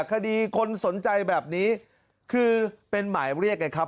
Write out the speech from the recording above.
คดีคนสนใจแบบนี้คือเป็นหมายเรียกไงครับ